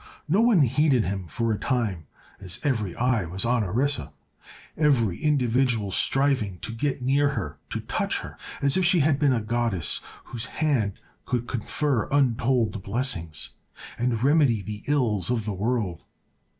No one heeded him for a time, as every eye was on Orissa, every individual striving to get near her, to touch her—as if she had been a goddess whose hand could confer untold blessings and remedy the ills of the world.